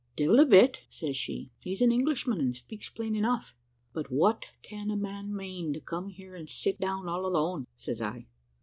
"`Devil a bit,' says she; `he's an Englishman, and speaks plain enough.' "`But what can a man mane, to come here and sit down all alone?' says I.